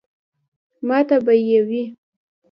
ماته به ئې وې ـ